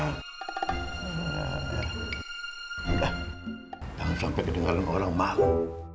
jangan sampai kedengeran orang malam